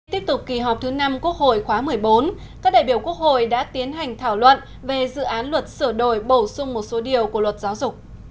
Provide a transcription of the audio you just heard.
tiếp tục kỳ họp thứ năm quốc hội khóa một mươi bốn các đại biểu quốc hội đã tiến hành thảo luận về dự án luật sửa đổi bổ sung một số điều của luật giáo dục